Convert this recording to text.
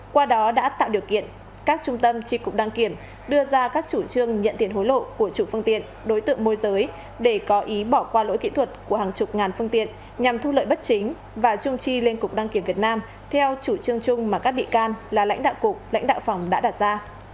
qua đó đã tạo điều kiện các trung tâm tri cục đăng kiểm đưa ra các chủ trương nhận tiền hối lộ của chủ phương tiện đối tượng môi giới để có ý bỏ qua lỗi kỹ thuật của hàng chục ngàn phương tiện nhằm thu lợi bất chính và trung tri lên cục đăng kiểm việt nam theo chủ trương chung mà các bị can là lãnh đạo cục lãnh đạo phòng đã đặt ra